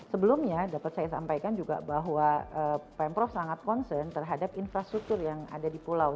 sebelumnya dapat saya sampaikan juga bahwa pemprov sangat concern terhadap infrastruktur yang ada di pulau